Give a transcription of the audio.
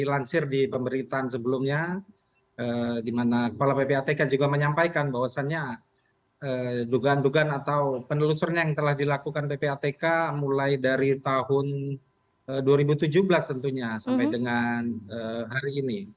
dilansir di pemberitaan sebelumnya di mana kepala ppatk juga menyampaikan bahwasannya dugaan dugaan atau penelusuran yang telah dilakukan ppatk mulai dari tahun dua ribu tujuh belas tentunya sampai dengan hari ini